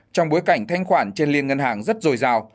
trong bối cảnh thanh khoản trên liên ngân hàng rất dồi dào